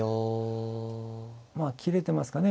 まあ切れてますかね